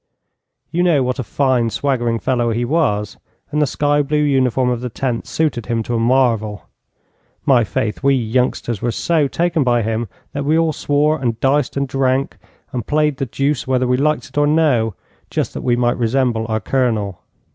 You know what a fine, swaggering fellow he was, and the sky blue uniform of the Tenth suited him to a marvel. My faith, we youngsters were so taken by him that we all swore and diced and drank and played the deuce whether we liked it or no, just that we might resemble our Colonel!